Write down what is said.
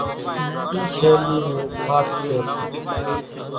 اِي شيلي نين کاڪ ڪي سي